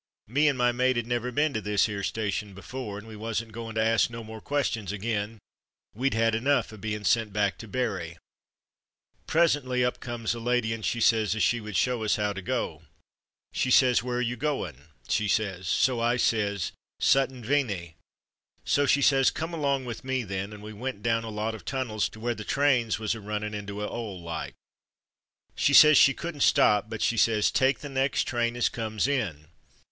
Me and my mate 'ad never been to this 'ere station before, and we wasn't goin' to ask no more questions again; we'd 'ad enough o' being sent back to Bury. Presently, up comes a lady, an' she says as she would show 66 From Mud to Mufti us 'ow to go. She says, 'Where are you goin' ?' she says. So I says, ' Sutton Veney '; so she says, ' Come along with me, then, ' and we went down a lot of tunnels to where the trains was a runnin' into a 'ole like. She says as she couldn't stop, but she says, 'Take the next train as comes in.'